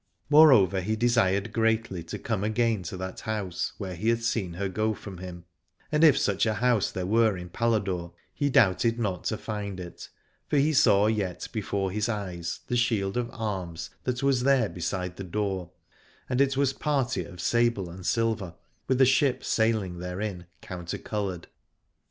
More over, he desired greatly to come again to that house where he had seen her go from him : and if such a house there were in Paladore, he doubted not to find it, for he saw yet 94 Aladore before his eyes the shield of arms that was there beside the door, and it was party of sable and silver, with a ship sailing therein counter coloured.